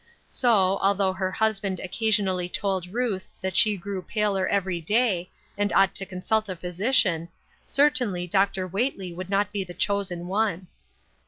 So, although her hus band occasionally told Ruth that she grew paler every day, and ought to consult a physician, cer tainly Dr. Whately would not be the chosen one.